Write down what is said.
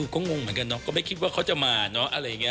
ก็งงเหมือนกันเนาะก็ไม่คิดว่าเขาจะมาเนอะอะไรอย่างนี้